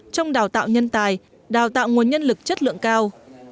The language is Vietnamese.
trong đào tạo nhân tài đào tạo nguồn nhân lực chất lượng cao